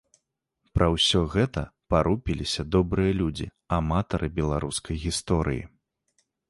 Пра ўсё гэта парупіліся добрыя людзі, аматары беларускай гісторыі.